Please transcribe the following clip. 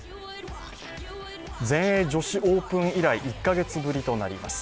全英女子オープン以来１カ月ぶりとなります。